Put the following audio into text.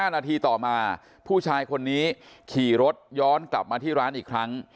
นาทีต่อมาผู้ชายคนนี้ขี่รถย้อนกลับมาที่ร้านอีกครั้ง